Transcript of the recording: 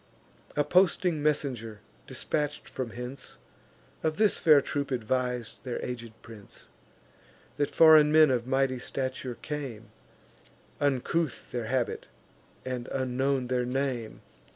A posting messenger, dispatch'd from hence, Of this fair troop advis'd their aged prince, That foreign men of mighty stature came; Uncouth their habit, and unknown their name.